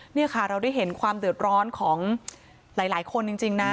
นี่ค่ะเราได้เห็นความเดือดร้อนของหลายคนจริงนะ